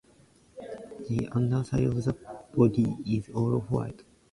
The underside of the body is all white.